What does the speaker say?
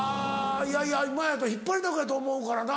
いやいや今やと引っ張りだこやと思うからな。